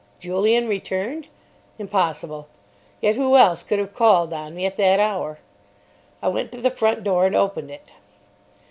Julian returned? Impossible. Yet who else could have called on me at that hour? I went to the front door, and opened it.